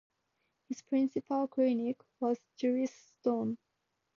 His principal critic was Julius Stone.